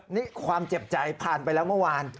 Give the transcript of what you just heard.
นี่ความเจ็บใจผ่านไปแล้วเมื่อวาน